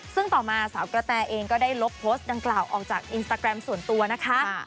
ซึ่งต่อมาสาวกระแตเองก็ได้ลบโพสต์ดังกล่าวออกจากอินสตาแกรมส่วนตัวนะคะ